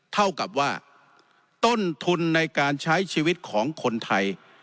เท่ากับว่าต้นทุนในการใช้ชีวิตของคนไทย